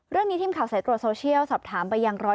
เรื่องนี้ทีมข่าวสายตรวจโซเชียลสอบถามไปอย่างร้อย